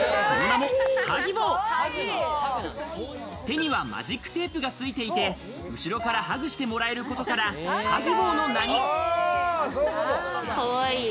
手にはマジックテープがついていて、後ろからハグしてもらえることからＨｕｇｉｂｏの名に。